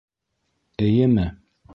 Эйеме?